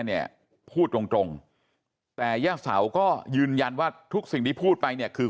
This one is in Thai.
เนี่ยพูดตรงตรงแต่ย่าเสาก็ยืนยันว่าทุกสิ่งที่พูดไปเนี่ยคือ